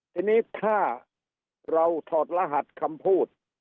ทีนี้ถ้าเราถอดรหัสคำพูด